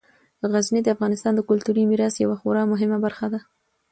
غزني د افغانستان د کلتوري میراث یوه خورا مهمه برخه ده.